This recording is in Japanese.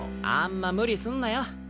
あんま無理すんなよ。